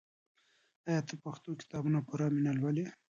آیا ته پښتو کتابونه په پوره مینه لولې؟